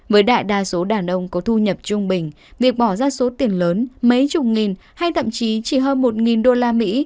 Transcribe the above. với đại đa số đàn ông có thu nhập trung bình việc bỏ ra số tiền lớn mấy chục nghìn hay thậm chí chỉ hơn một nghìn đô la mỹ